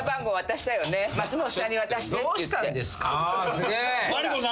「すげえ！」